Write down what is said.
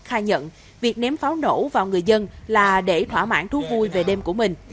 khai nhận việc ném pháo nổ vào người dân là để thỏa mãn thú vui về đêm của mình